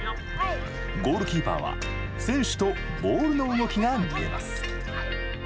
ゴールキーパーは選手とボールの動きが見えます。